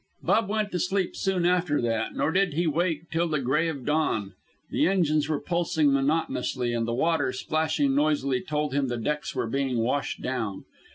Bub went to sleep soon after that, nor did he wake till the gray of dawn. The engines were pulsing monotonously, and the water, splashing noisily, told him the decks were being washed down.